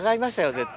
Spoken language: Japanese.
絶対。